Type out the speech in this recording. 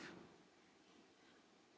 ini adalah tantangan besar dan sekaligus